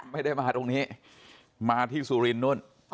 ไม่ได้มาตรงนี้มาที่สุรินทร์นู่น